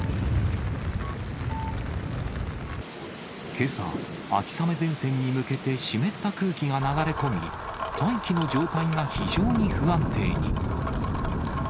けさ、秋雨前線に向けて湿った空気が流れ込み、大気の状態が非常に不安定に。